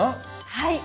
はい。